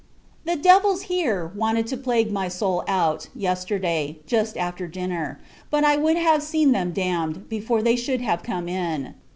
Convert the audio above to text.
The devils, here, wanted to plague my soul out, yesterday, just after dinner; but I would have seen them damned, before they should have come in.